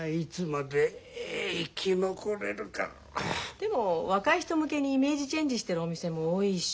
でも若い人向けにイメージチェンジしてるお店も多いし。